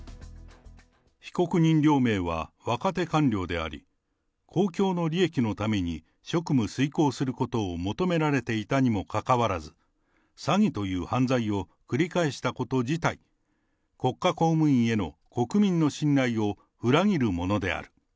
被告人両名は、若手官僚であり、公共の利益のために職務遂行することを求められていたにもかかわらず、詐欺という犯罪を繰り返したこと自体、国家公務員への国民の信頼を裏切るものである。